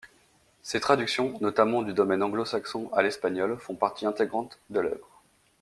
Ses traductions, notamment du domaine anglo-saxon à l'espagnol, font partie intégrante de l'œuvre.